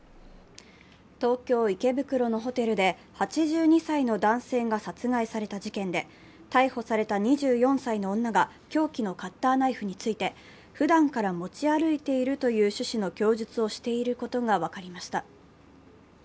東京・池袋のホテルで８２歳の男性が殺害された事件で逮捕された２４歳の女が凶器のカッターナイフについてふだんから持ち歩いているという趣旨の供述をしていることが分かりました。